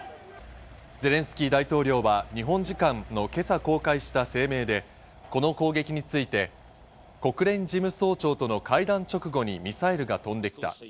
ゼレンスキー大統領は日本時間の今朝公開した声明で、この攻撃について国連事務総長との会談直後にミサイルが飛んできた。